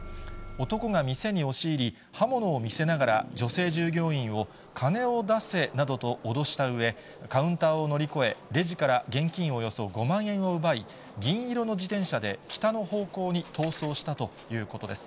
男が店に押し入り、刃物を見せながら女性従業員を金を出せなどと脅したうえ、カウンターを乗り越え、レジから現金およそ５万円を奪い、銀色の自転車で北の方向に逃走したということです。